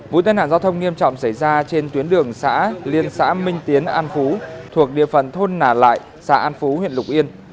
vụ tai nạn giao thông nghiêm trọng xảy ra trên tuyến đường xã liên xã minh tiến an phú thuộc địa phận thôn nà lại xã an phú huyện lục yên